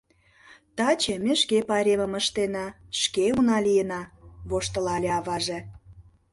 — Таче ме шке пайремым ыштена, шке уна лийына, — воштылале аваже.